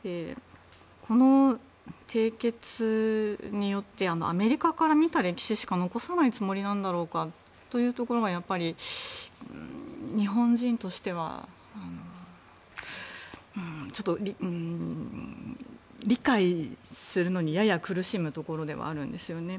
この締結によってアメリカから見た歴史しか残さないつもりなんだろうかというところがやはり日本人としては理解するのにやや苦しむところではあるんですよね。